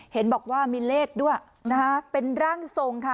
เห็นบอกว่ามีเลขด้วยนะคะเป็นร่างทรงค่ะ